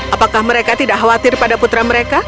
apakah mereka tidak khawatir pada putra mereka